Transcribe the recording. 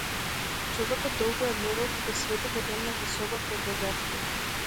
Човекот долго ја гледал како свети во темната соба пред да заспие.